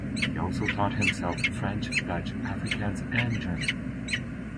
He also taught himself French, Dutch, Afrikaans, and German.